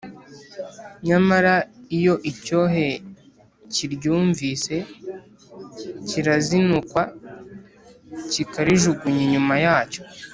nyamara iyo icyohe kiryumvise, kirarizinukwa, kikarijugunya inyuma yacyo.